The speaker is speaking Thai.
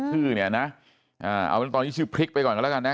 ชื่อเนี่ยนะเอาเป็นตอนนี้ชื่อพริกไปก่อนกันแล้วกันนะ